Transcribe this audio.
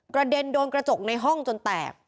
เด็นโดนกระจกในห้องจนแตก